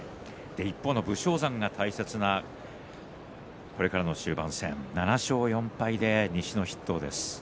一方の武将山は大切なこれからの終盤戦、７勝４敗で西の筆頭です。